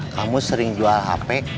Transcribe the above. kamu sering jual hp